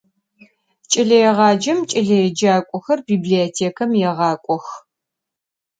Ç'eleêğacem ç'eleêcak'oxer bibliotêkam yêğak'ox.